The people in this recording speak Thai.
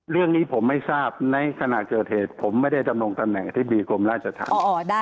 เรื่องนี้ผมไม่ทราบในขณะเกิดเหตุผมไม่ได้ดำรงตำแหน่งอธิบดีกรมราชธรรม